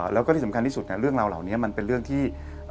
แล้วก็ที่สำคัญที่สุดเรื่องราวเหล่านี้มันเป็นเรื่องที่